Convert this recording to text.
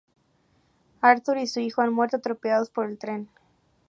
Arthur y su hijo han muerto, atropellados por el tren.